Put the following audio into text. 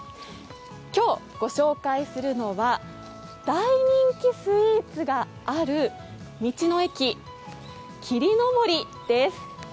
今日、御紹介するのは大人気スイーツがある道の駅・霧の森です。